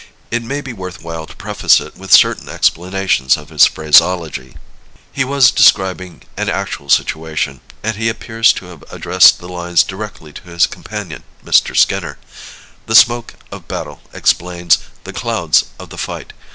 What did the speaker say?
It may be worth while to preface it with certain explanations of his phraseology: He was describing an actual situation, and he appears to have addressed the lines directly to his companion, Mr. Skinner. The smoke of battle explains "the clouds of the fight."